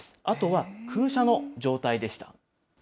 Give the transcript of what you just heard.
あとは空車の状態でした。